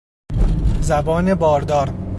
زبان باردار